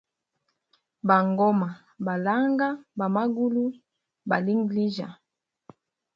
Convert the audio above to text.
Bangoma ba langa, bamangulu balangilijya.